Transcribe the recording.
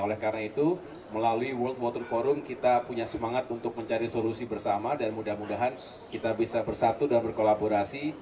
oleh karena itu melalui world water forum kita punya semangat untuk mencari solusi bersama dan mudah mudahan kita bisa bersatu dan berkolaborasi